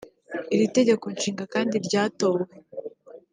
Iri tegekonshinga kandi ryatowe